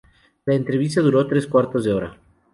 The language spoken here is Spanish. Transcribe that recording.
La entrevista duró tres cuartos de hora.